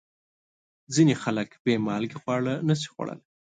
ځینې خلک بې مالګې خواړه نشي خوړلی.